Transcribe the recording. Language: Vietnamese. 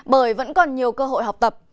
bởi vẫn còn nhiều cơ hội học tập